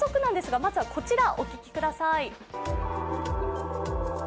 まずは、こちらお聞きください。